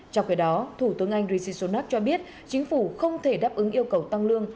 trong khi đó thủ tướng anh rishi sonak cho biết chính phủ không thể đáp ứng yêu cầu tăng lương